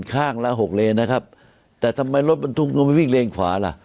ข้างละ๖เลนนะครับแต่ทำไมรถมันทุกบทมันทิ้งเลนขวาละ